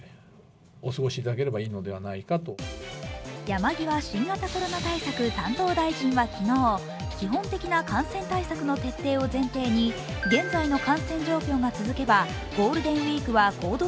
山際新型コロナ対策担当大臣は昨日、基本的な感染対策の徹底を前提にかけないと話しました。